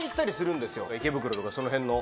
池袋とかその辺の。